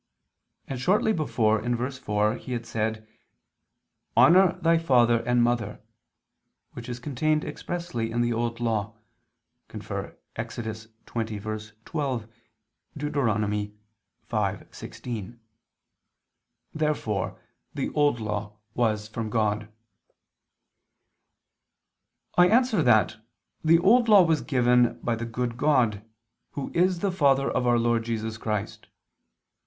And shortly before (verse 4) He had said: "Honor thy father and mother," which is contained expressly in the Old Law (Ex. 20:12; Deut. 5:16). Therefore the Old Law was from God. I answer that, The Old Law was given by the good God, Who is the Father of Our Lord Jesus Christ.